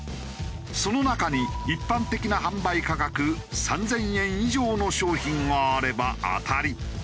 その中に一般的な販売価格３０００円以上の商品があれば当たり。